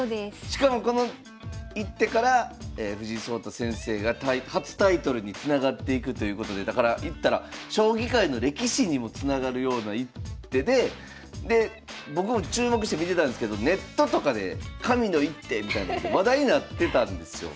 しかもこの一手から藤井聡太先生が初タイトルにつながっていくということでだから言ったら将棋界の歴史にもつながるような一手でで僕も注目して見てたんですけどネットとかで「神の一手」みたいに話題になってたんですよ。